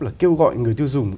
là kêu gọi người tiêu dùng